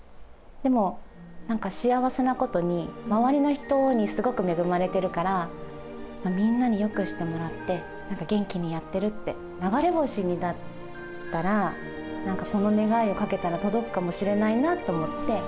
でも幸せなことに、周りの人にすごく恵まれているから、みんなによくしてもらって、元気にやってるって、流れ星にだったら、なんかこの願いをかけたら届くかもしれないなと思って。